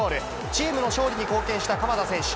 チームの勝利に貢献した鎌田選手。